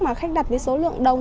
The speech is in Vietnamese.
mà khách đặt với số lượng đông